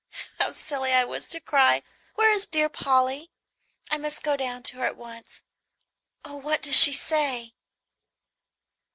How silly I was to cry! Where is dear Polly? I must go down to her at once. Oh, what does she say?"